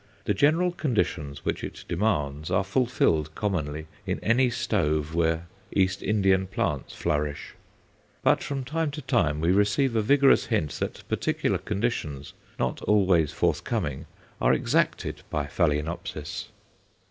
The general conditions which it demands are fulfilled, commonly, in any stove where East Indian plants flourish; but from time to time we receive a vigorous hint that particular conditions, not always forthcoming, are exacted by Phaloenopsis.